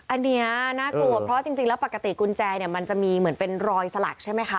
อันนี้น่ากลัวเพราะจริงแล้วปกติกุญแจเนี่ยมันจะมีเหมือนเป็นรอยสลักใช่ไหมคะ